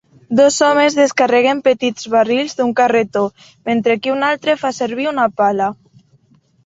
Dos homes descarreguen petits barrils d'un carretó, mentre que un altre fa servir una pala.